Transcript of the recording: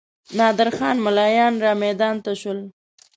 نادر خان ملایان رامیدان ته شول.